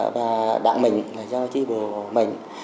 và đảng mình là do tri bộ mình